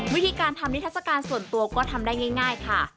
วิธีการทำนิทัศกาลส่วนตัวก็ทำได้ง่ายค่ะ